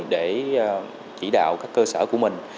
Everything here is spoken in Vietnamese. để chỉ đạo các cơ sở của mình